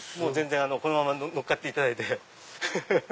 このまま乗っかっていただいて。